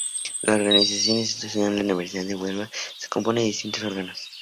La organización institucional de la Universidad de Huelva se compone de distintos órganos.